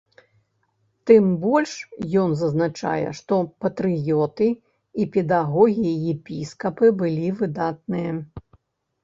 Тым больш ён зазначае, што патрыёты і педагогі епіскапы былі выдатныя.